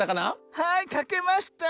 はいかけました！